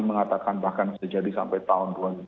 mengatakan bahkan sejati sampai tahun